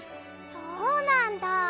そうなんだ。